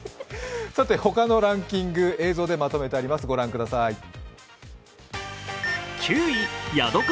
さて、ほかのランキング映像でまとめてありますのでご覧ください。